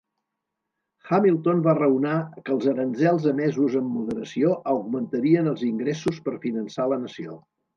Hamilton va raonar que els aranzels emesos amb moderació augmentarien els ingressos per finançar la nació.